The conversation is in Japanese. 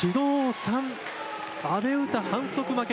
３阿部詩、反則負け。